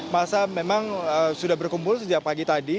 masa memang sudah berkumpul sejak pagi tadi